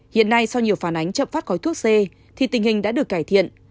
hiện nay sau nhiều phản ánh chậm phát khói thuốc c thì tình hình đã được cải thiện